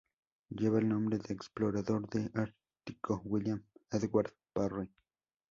Lleva el nombre del explorador del Ártico William Edward Parry.